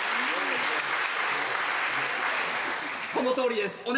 このとおりです。